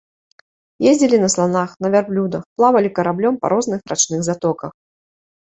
Ездзілі на сланах, на вярблюдах, плавалі караблём па розных рачных затоках.